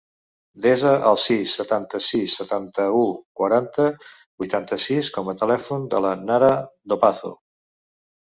Desa el sis, setanta-sis, setanta-u, quaranta, vuitanta-sis com a telèfon de la Nara Dopazo.